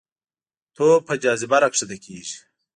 توپ په جاذبه راښکته کېږي.